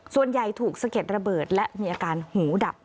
ส่วนใหญ่ถูกสะเก็ดระเบิดและมีอาการหูดับ